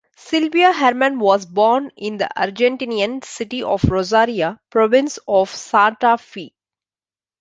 Silvia Hermann was born in the Argentinian city of Rosario, province of Santa Fe.